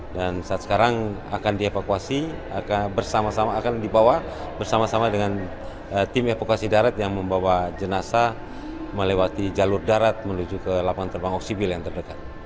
dan saat sekarang akan dievakuasi akan dibawa bersama sama dengan tim evakuasi darat yang membawa jenasa melewati jalur darat menuju ke lapangan terbang oksibil yang terdekat